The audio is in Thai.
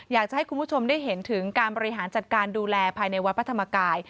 อยากจะให้คุณผู้ชมได้เห็นถึงการบริหารจัดการดูแลภายในวัดพระธรรมกาย